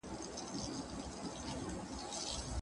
هغوی تر دې وړاندي ټولو ځوانانو ته ښه انګېزه ورکړې وه.